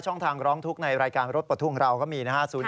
ช่องทางร้องทุกข์ในรายการรถปลดทุกข์เราก็มีนะฮะ